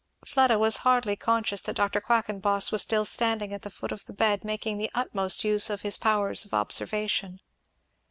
Fleda was hardly conscious that Dr. Quackenboss was still standing at the foot of the bed making the utmost use of his powers of observation.